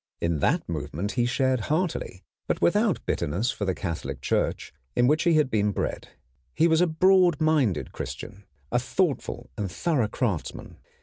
In that movement he shared heartily, but without bitterness for the Catholic Church, in which he had been bred. He was a broad minded Christian, a thoughtful and thorough craftsman.